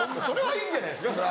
それはいいんじゃないですか？